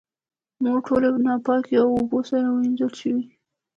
موږ ټولې ناپاکۍ په اوبو سره وېنځلی شو.